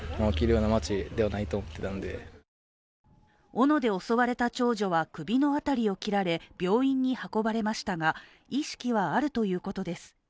おので襲われた長女は首の辺りを切られ病院に運ばれましたが意識はあるということです。